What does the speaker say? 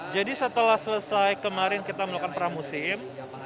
jadi setelah selesai kemarin kita melakukan pramusim